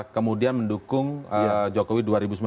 kemudian mendukung jokowi dua ribu sembilan belas